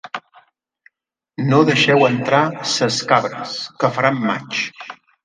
No deixeu entrar ses cabres, que faran matx.